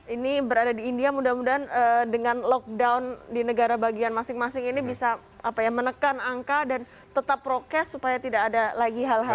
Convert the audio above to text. ini berada di india mudah mudahan dengan lockdown di negara bagian masing masing ini bisa menekan angka dan tetap prokes supaya tidak ada lagi hal hal